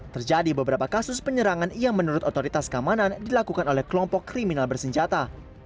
terjadi beberapa kasus penyerangan yang menurut otoritas keamanan dilakukan oleh kelompok kriminal bersenjata